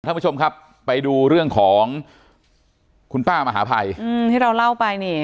ท่านผู้ชมครับไปดูเรื่องของคุณป้ามหาภัยอืมที่เราเล่าไปนี่